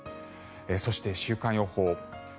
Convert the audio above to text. そして、週間予報。